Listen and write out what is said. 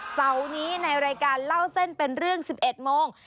เสาร์นี้ในรายการเล่าเส้นเป็นเรื่อง๑๑โมง